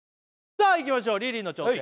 さあいきましょうリリーの挑戦